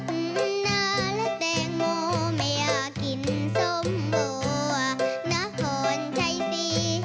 กินน้ำและแตงโมไม่อยากกินสมโมะน้าหอนไทยฟรี